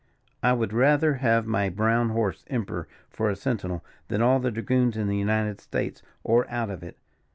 "I would rather have my brown horse, Emperor, for a sentinel, than all the dragoons in the United States, or out of it.